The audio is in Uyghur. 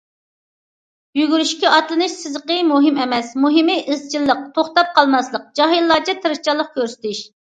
يۈگۈرۈشكە ئاتلىنىش سىزىقى مۇھىم ئەمەس، مۇھىمى ئىزچىللىق، توختاپ قالماسلىق، جاھىللارچە تىرىشچانلىق كۆرسىتىش.